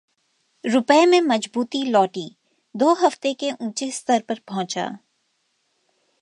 रुपये में मजबूती लौटी, दो हफ्ते के ऊंचे स्तर पर पहुंचा